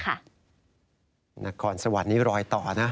นครสวรรค์นี้รอยต่อนะ